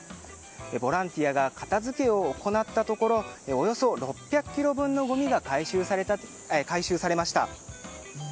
ボランティアが片づけを行ったところおよそ６００ｋｇ分のごみが回収されました。